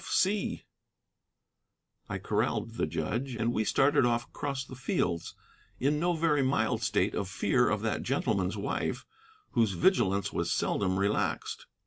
F. F. C." I corralled the judge, and we started off across the fields, in no very mild state of fear of that gentleman's wife, whose vigilance was seldom relaxed.